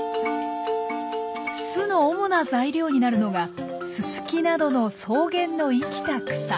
巣の主な材料になるのがススキなどの草原の生きた草。